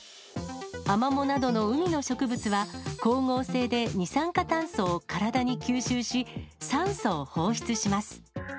アマモなどの海の植物は、光合成で二酸化炭素を体に吸収し、酸素を放出します。